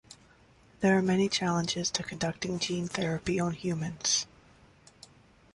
There are many challenges to conducting gene therapy on humans.